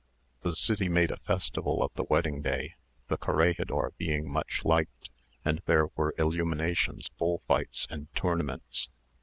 The city made a festival on the wedding day, the corregidor being much liked, and there were illuminations, bullfights, and tournaments.